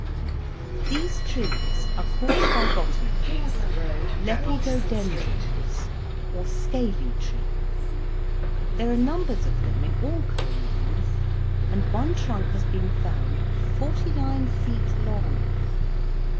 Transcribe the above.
These trees are called by botanists Lepidodendrons, or scaly trees; there are numbers of them in all coal mines, and one trunk has been found 49 feet long.